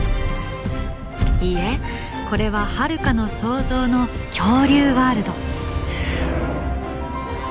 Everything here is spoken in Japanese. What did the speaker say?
いいえこれはハルカの想像の恐竜ワールド。